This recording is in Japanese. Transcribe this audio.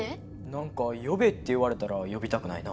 なんかよべって言われたらよびたくないな。